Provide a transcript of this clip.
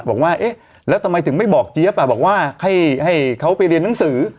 บอกว่าเอ๊ะแล้วทำไมถึงไม่บอกเจี๊ยบบอกว่าให้เขาไปเรียนหนังสือ